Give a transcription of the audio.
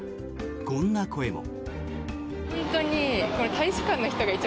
こんな声も。